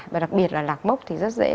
và đặc biệt là lạc mốc thì rất dễ